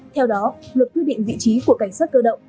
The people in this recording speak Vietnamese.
theo đó luật quy định vị trí của cảnh sát cơ động